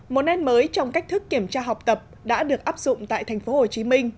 một nét mới trong cách thức kiểm tra học tập đã được áp dụng tại tp hcm